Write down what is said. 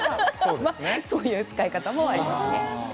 そういう使い方もあります。